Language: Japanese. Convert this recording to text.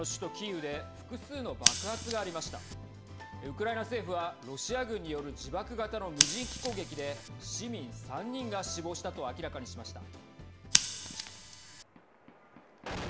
ウクライナ政府はロシア軍による自爆型の無人機攻撃で市民３人が死亡したと明らかにしました。